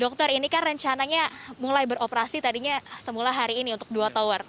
dokter ini kan rencananya mulai beroperasi tadinya semula hari ini untuk dua tower